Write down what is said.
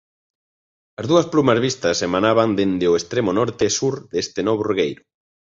As dúas plumas vistas emanaban dende o extremo norte e sur deste novo regueiro.